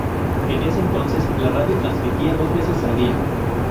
En ese entonces, la radio transmitía dos veces al día.